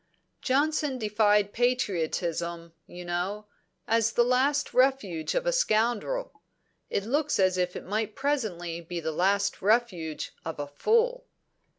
Johnson defined Patriotism you know, as the last refuge of a scoundrel; it looks as if it might presently be the last refuge of a fool."